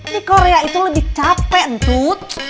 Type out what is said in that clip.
di korea itu lebih capek dud